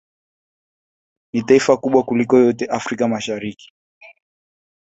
Ni taifa kubwa kuliko yote katika Afrika ya mashariki